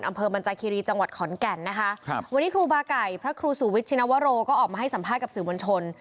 อำเภอบรรจาคีรีจังหวัดขอนแก่นนะคะครับวันนี้ครูบาไก่พระครูสูวิทยชินวโรก็ออกมาให้สัมภาษณ์กับสื่อมวลชน